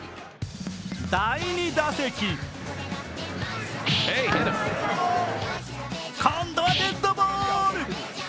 第２打席今度はデッドボール。